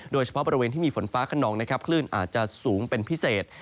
โดยเฉพาะบริเวณที่มีฝนฟ้าขนองนะครับคลื่นอาจจะสูงเป็นพิเศษ